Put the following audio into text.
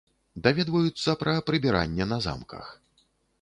Даведваюцца пра прыбіранне на замках.